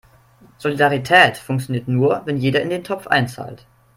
Solidarität funktioniert nur, wenn jeder in den Topf einzahlt.